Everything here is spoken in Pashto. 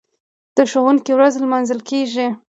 د ښوونکي ورځ لمانځل کیږي.